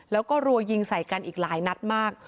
แล้วก็รัวยิงใส่กันอีกหลายนัดมาก